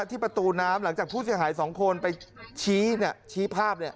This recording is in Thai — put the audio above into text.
ที่ประตูน้ำหลังจากผู้เสียหาย๒คนไปชี้ชี้ภาพ